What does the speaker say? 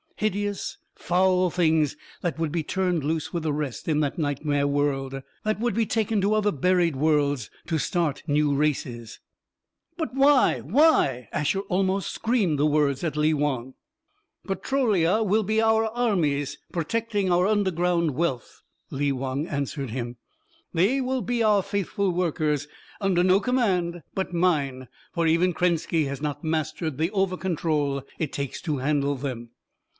Hideous, foul Things that would be turned loose with the rest in that nightmare world that would be taken to other buried worlds to start new races. "But why why?" Asher almost screamed the words at Lee Wong. "Petrolia will be our armies, protecting our underground wealth," Lee Wong answered him. "They will be our faithful workers, under no command but mine. For, even Krenski has not mastered the over control it takes to handle them!